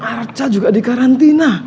arca juga dikarantina